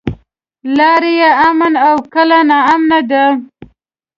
لاره يې امن او که ناامنه ده.